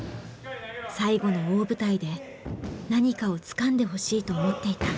最後の大舞台で何かをつかんでほしいと思っていた。